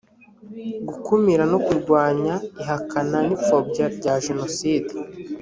gukumira no kurwanya ihakana n ipfobya rya jenoside